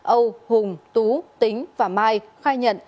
âu hùng tú tính và mai khai nhận